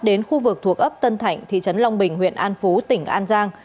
đến khu vực thuộc ấp tân thạnh thị trấn long bình huyện an phú tỉnh an giang